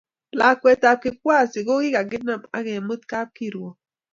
Lakwetab Kikwasi kokikakinam akemut kapkirwok